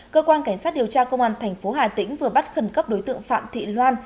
cơ quan cảnh sát điều tra công an tp hcm vừa bắt khẩn cấp đối tượng phạm thị loan